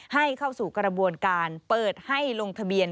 เข้าสู่กระบวนการเปิดให้ลงทะเบียน